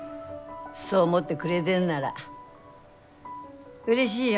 そう思ってくれでんならうれしいよ。